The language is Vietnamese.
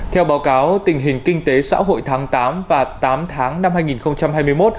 theo báo cáo tình hình kinh tế xã hội tháng tám và tám tháng năm hai nghìn hai mươi một